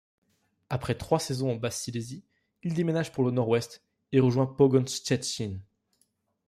Après trois saisons en Basse-Silésie, il déménage pour le nord-ouest et rejoint Pogoń Szczecin.